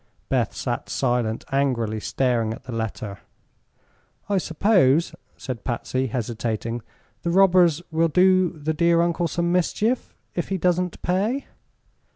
Beth sat silent, angrily staring at the letter. "I suppose," said Patsy, hesitating, "the robbers will do the dear uncle some mischief, if he doesn't pay."